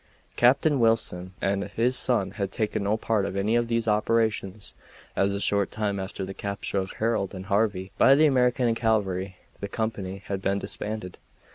Captain Wilson, and his son had taken no part in any of these operations, as a short time after the capture of Harold and Harvey by the American cavalry the company had been disbanded.